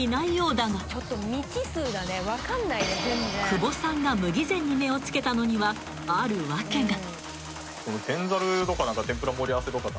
［久保さんがむぎぜんに目を付けたのにはある訳が］